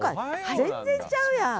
全然ちゃうやん。